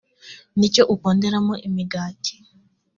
nicyo uponderamo imigati